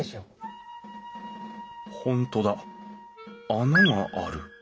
本当だ穴がある。